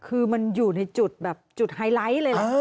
คือมันอยู่ในจุดแบบจุดไฮไลท์เลยล่ะ